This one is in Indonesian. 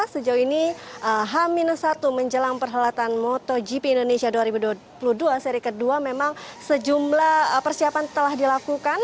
sejauh ini h satu menjelang perhelatan motogp indonesia dua ribu dua puluh dua seri kedua memang sejumlah persiapan telah dilakukan